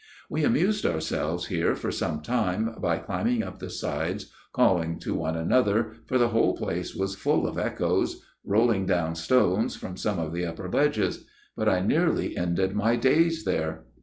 " We amused ourselves here for some time, by climbing up the sides, calling to one another, for the whole place was full of echoes, rolling down stones from some of the upper ledges : but I nearly ended my days there.